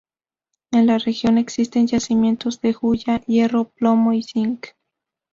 En la región existen yacimientos de hulla, hierro, plomo y zinc.